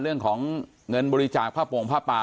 เรื่องของเงินบริจาคภาพโปรงภาพปลา